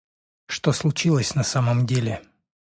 Что случилось на самом деле?